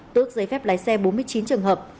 tước giấy phép lái xe bốn mươi chín trường hợp